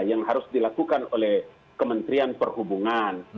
yang harus dilakukan oleh kementerian perhubungan